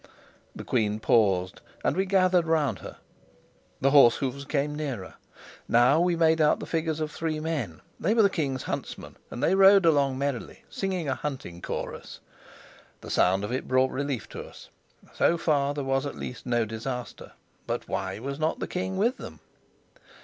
The queen paused, and we gathered round her. The horse hoofs came nearer. Now we made out the figures of three men: they were the king's huntsmen, and they rode along merrily, singing a hunting chorus. The sound of it brought relief to us; so far at least there was no disaster. But why was not the king with them?